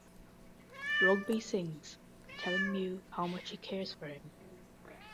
Rugby sings, telling Mew how much he cares for him.